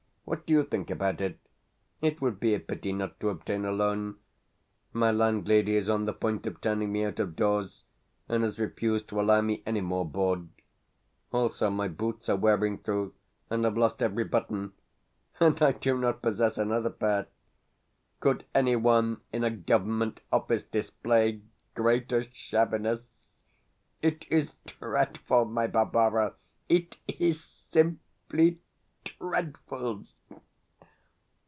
What do you think about it? It would be a pity not to obtain a loan. My landlady is on the point of turning me out of doors, and has refused to allow me any more board. Also, my boots are wearing through, and have lost every button and I do not possess another pair! Could anyone in a government office display greater shabbiness? It is dreadful, my Barbara it is simply dreadful!